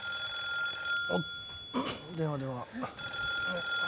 ☎おっ電話電話。